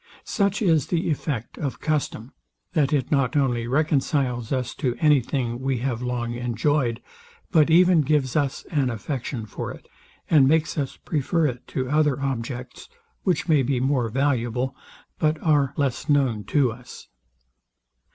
Such is the effect of custom, that it not only reconciles us to any thing we have long enjoyed, but even gives us an affection for it, and makes us prefer it to other objects, which may be more valuable, but are less known to us.